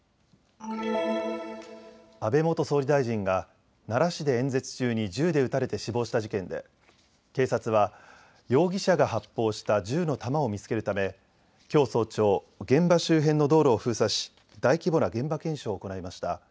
安倍元総理大臣が奈良市で演説中に銃で撃たれて死亡した事件で警察は容疑者が発砲した銃の弾を見つけるためきょう早朝、現場周辺の道路を封鎖し大規模な現場検証を行いました。